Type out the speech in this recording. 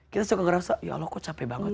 kita suka ngerasa ya allah kok capek banget